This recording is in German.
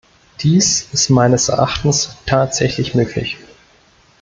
Dies ist meines Erachtens tatsächlich möglich.